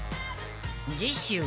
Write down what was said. ［次週］